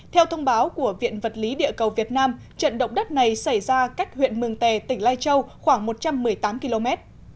theo thông báo của viện vật lý địa cầu việt nam trận động đất này xảy ra cách huyện mường tè tỉnh lai châu khoảng một trăm một mươi tám km